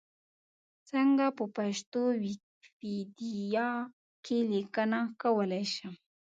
څنګه په پښتو ویکیپېډیا کې لیکنه کولای شم؟